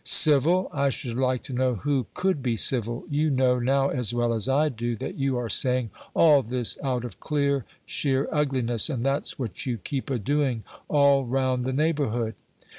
"Civil! I should like to know who could be civil. You know, now, as well as I do, that you are saying all this out of clear, sheer ugliness; and that's what you keep a doing all round the neighborhood."